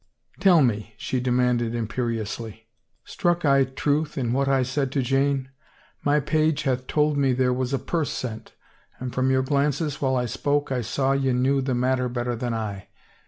*' Tell me," she demanded imperiously, " struck I truth 305 THE FAVOR OF KINGS in what I said to Jane? My page hath told me there was a purse sent — and from your glances while I spoke I saw ye knew the matter better than I.